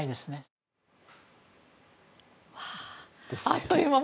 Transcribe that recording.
あっという間。